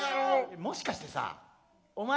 もしかしてさお前